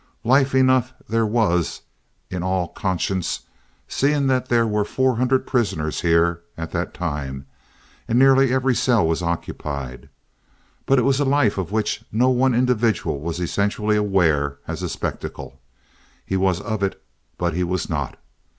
Life enough there was in all conscience, seeing that there were four hundred prisoners here at that time, and that nearly every cell was occupied; but it was a life of which no one individual was essentially aware as a spectacle. He was of it; but he was not.